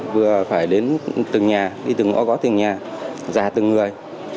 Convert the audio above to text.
vừa phải đến từng nhà đi từng ngõ gõ từng nhà ra từng người